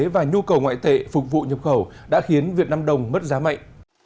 và nhu cầu ngoại tệ phục vụ nhập khẩu đã khiến việt nam đồng mất giá mạnh